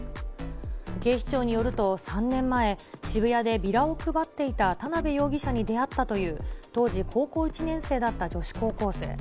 警視庁によると３年前、渋谷でビラを配っていた田辺容疑者に出会ったという当時高校１年生だった女子高校生。